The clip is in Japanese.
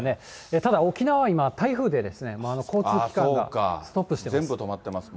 ただ、沖縄は今、台風で、交通機関がストップしてます。